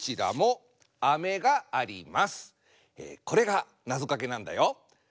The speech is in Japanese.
これがなぞかけなんだよ。